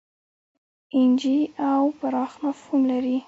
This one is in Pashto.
اېن جي او پراخ مفهوم لري.